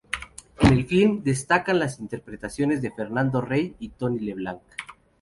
En el filme destacan las interpretaciones de Fernando Rey y Tony Leblanc.